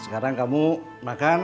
sekarang kamu makan